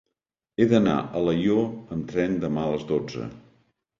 He d'anar a Alaior amb tren demà a les dotze.